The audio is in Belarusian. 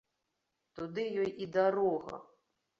Туды ёй і дарога!